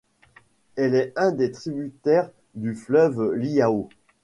Elle est un des tributaires du fleuve Liao.